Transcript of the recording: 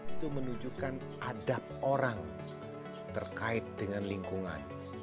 itu menunjukkan adab orang terkait dengan lingkungan